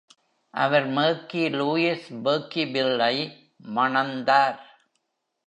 அவர் Mary Louise Berkebile ஐ மணந்தார்.